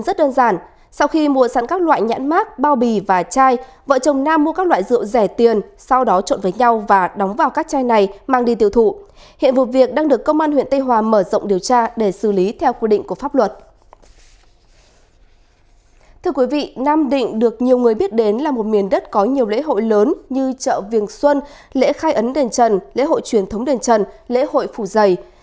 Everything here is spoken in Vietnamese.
thưa quý vị nam định được nhiều người biết đến là một miền đất có nhiều lễ hội lớn như chợ viềng xuân lễ khai ấn đền trần lễ hội truyền thống đền trần lễ hội phủ giày